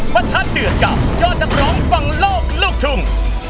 ประทัดเดือดกับยอดนักร้องฝั่งโลกลูกทุ่ง